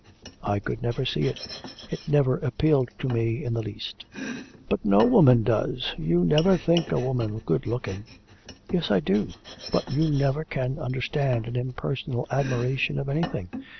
'I could never see it. It never appealed to me in the least.' 'But no woman does. You never think a woman good looking.' 'Yes, I do. But you never can understand an impersonal admiration for anything.